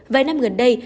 vài năm gần đây